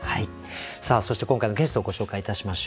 さあそして今回のゲストをご紹介いたしましょう。